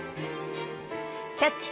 「キャッチ！